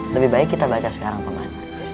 lebih baik kita baca sekarang teman